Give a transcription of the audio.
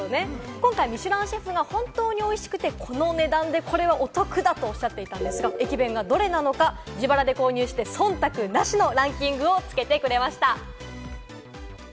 今回、ミシュランシェフが本当においしくて、この値段でこれはお得だとおっしゃっていたんですが、駅弁がどれなのか、自腹で購入して忖度なしのランキングをつけてくれました。